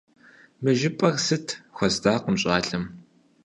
— Мы жыпӀэр сыт? — хуэздакъым щӀалэм.